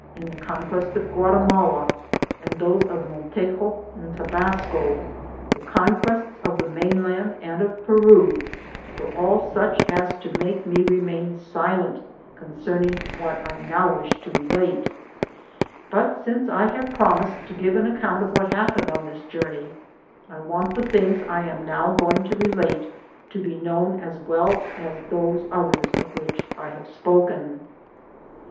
an, Google THE JOURNEY OP CORONADO the conquest of Guatemala, and those of Montejo in Tabasco, the conquests of the mainland and of Peru, were all such as to make me remain silent concerning what I now wish to relate ; but since I have prom ised to give an account of what happened on this journey, I want the things I am now going to relate to be known as well as those others of which I have spoken.